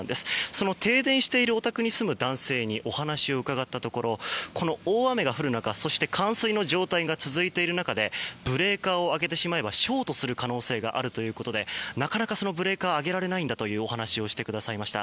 その停電しているお宅に住む男性にお話を伺ったところこの大雨が降る中、そして冠水の状態が続いている中でブレーカーを上げてしまえばショートする可能性があるということでなかなかブレーカーを上げられないんだというお話をしてくださいました。